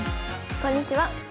こんにちは。